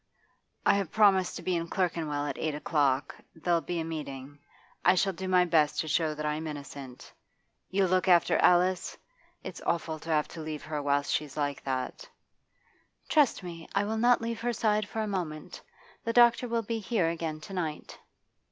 'I have promised to be in Clerkenwell at eight o'clock. There'll be a meeting. I shall do my best to show that I am innocent. You'll look after Alice? It's awful to have to leave her whilst she's like that.' 'Trust me. I will not leave her side for a moment. The doctor will be here again to night.